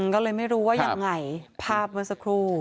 ก็เลยไม่รู้ว่ายังไงภาพเมื่อสักครู่